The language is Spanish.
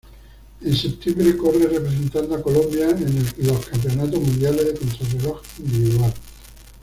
En septiembre corre representando a Colombia en los Campeonato Mundiales de Contrarreloj Individual.